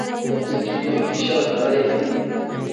د ځمکې قشر نری دی.